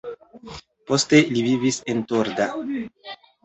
Poste li vivis en Torda.